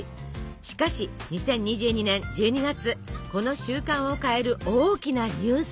しかし２０２２年１２月この習慣を変える大きなニュースが。